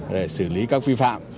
để xử lý các phi phạm